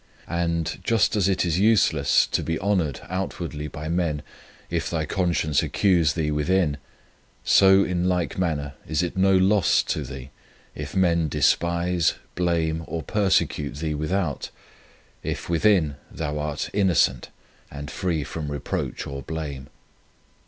And, just as it is useless to be honoured outwardly by men if thy conscience accuse thee within, so in like manner is it no loss to thee if men despise, blame, or persecute thee without, if within thou art innocent and free from reproach or blame.